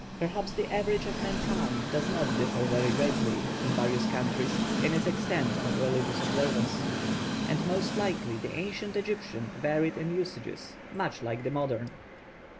Perhaps the average of mankind does not differ very greatly, in various countries, in its extent of religious observance: and most likely the ancient Egyptian varied in usages much like the modern.